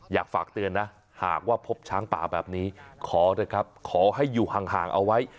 อยากฝากเตือนนะหากว่าพบช้างป่าแบบนี้ขอเถอะครับขอให้อยู่ห่างเอาไว้